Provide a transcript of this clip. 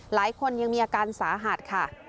หลายคนยังมีอาการสาหัสค่ะ